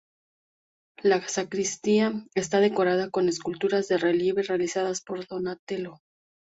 La sacristía está decorada con esculturas en relieve realizadas por Donatello.